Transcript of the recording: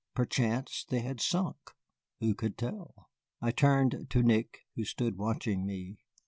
Perchance they had sunk, who could tell? I turned to Nick, who stood watching me.